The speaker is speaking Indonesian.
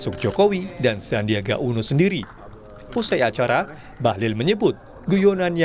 pak bahlil ini kan selalu ada guyonannya